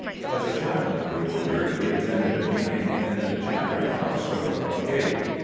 As a Chaplain of the Order, he attended a meeting in the Chapter House, Clerkenwell Gate.